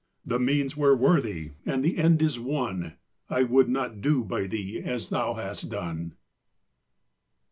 The means were worthy, and the end is won I would not do by thee as thou hast done!